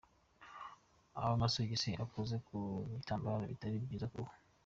Amasogisi akoze mu bitambaro bitari byiza ku ruhu.